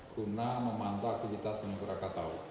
guna memantau aktivitas penumpang kataun